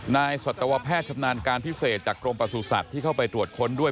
นายสัตวแพทย์ธรรมนานการพิเศษจากโรงประสูจน์ศักดิ์ที่เข้าไปตรวจค้นด้วย